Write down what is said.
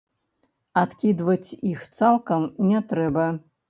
Адкідваць іх цалкам не трэба.